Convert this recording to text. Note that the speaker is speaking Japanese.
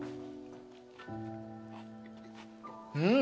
うん！